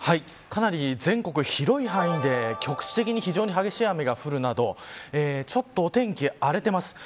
かなり全国、広い範囲で局地的に非常に激しい雨が降るなどちょっとお天気、荒れています。